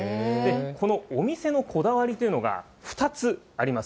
このお店のこだわりというのが２つあります。